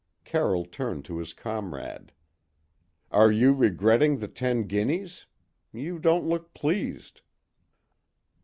Carroll turned to his comrade. "Are you regretting the ten guineas? You don't look pleased."